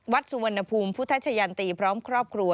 สุวรรณภูมิพุทธชะยันตีพร้อมครอบครัว